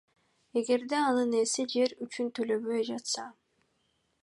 эгерде анын ээси жер үчүн төлөбөй жатса.